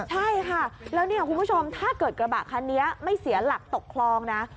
ใช่ค่ะแล้วเนี่ยคุณผู้ชมถ้าเกิดกระบะคันนี้ไม่เสียหลักตกคลองนะ